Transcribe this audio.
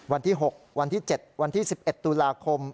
วันที่๖วันที่๗วันที่๑๑ตุลาคม